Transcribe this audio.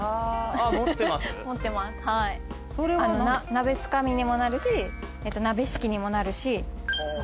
鍋つかみにもなるし鍋敷きにもなるし。